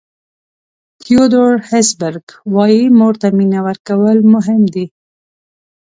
تیودور هسبرګ وایي مور ته مینه ورکول مهم دي.